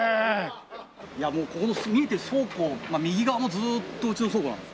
いやもうここの見えてる倉庫右側もずーっとうちの倉庫なんです。